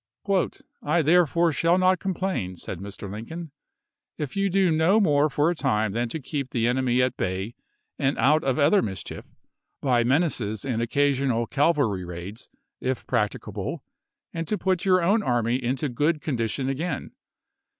" I therefore shall not complain," said Mr. Lincoln, " if you do no more for a time than to keep the enemy at bay and out of other mischief, by menaces and occa sional cavalry raids, if practicable, and to put your own army into good condition again.